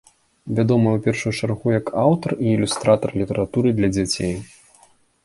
Вядомая ў першую чаргу як аўтар і ілюстратар літаратуры для дзяцей.